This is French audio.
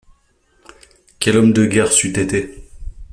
Quel homme de guerre c'eût été !